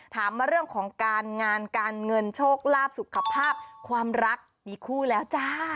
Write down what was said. ถามมาเรื่องของการงานการเงินโชคลาภสุขภาพความรักมีคู่แล้วจ้า